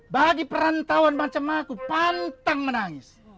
bagi perantauan macam aku pantang menangis